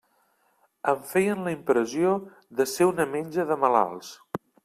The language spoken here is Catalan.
Em feien la impressió de ser una menja de malalts.